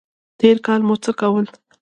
تېر کال مو څه کول؟